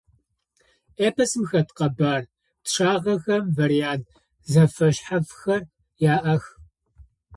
Эпосым хэт къэбар пчъагъэхэм вариант зэфэшъхьафхэр яӏэх.